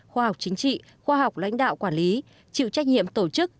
khoa học chính trị khoa học lãnh đạo quản lý chịu trách nhiệm tổ chức